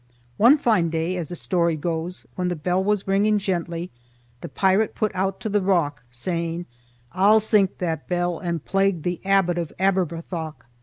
One fine day, as the story goes, when the bell was ringing gently, the pirate put out to the rock, saying, "I'll sink that bell and plague the Abbot of Aberbrothok."